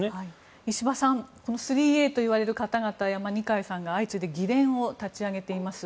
石破さんこの３Ａといわれる方々や二階さんが相次いで議連を立ち上げています。